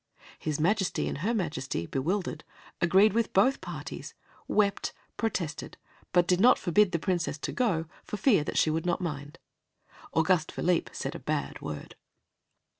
His Majesty and her Majesty, bewildered, agreed with both parties, wept, protested, but did not forbid the Princess to go, for fear that she would not mind. Auguste Philippe said a bad word.